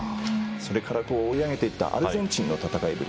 それから追い上げていったアルゼンチンの戦いぶり。